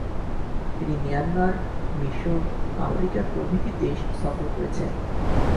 তিনি মিয়ানমার, মিশর, আফ্রিকার প্রভৃতি দেশ সফর করেছেন।